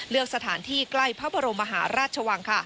เลือกสถานที่ใกล้พระบรมมหาราชวัง